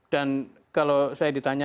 dan kalau saya ditanya